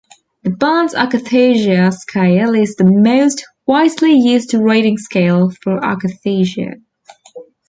The Barnes Akathisia Scale is the most widely used rating scale for akathisia.